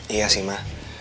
iya sih ma